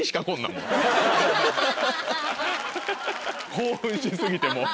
興奮し過ぎてもう。